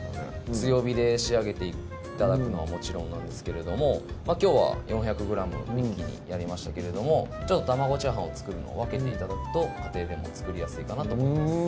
強火で仕上げて頂くのはもちろんなんですけれどもきょうは４００ｇ一気にやりましたけれども卵炒飯を作るのを分けて頂くと家庭でも作りやすいかなと思います